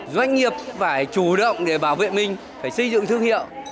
doanh nghiệp phải chủ động để bảo vệ mình phải xây dựng thương hiệu